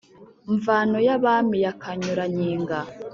mvano ya bami ya kanyura-nkiga